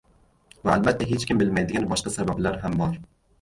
Va albatta hech kim bilmaydigan boshqa sabablar ham bor.